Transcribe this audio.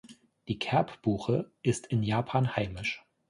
Die Kerb-Buche ist in Japan heimisch.